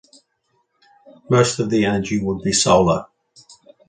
Most of the energy would be solar.